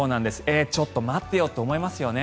ちょっと待ってよと思いますよね。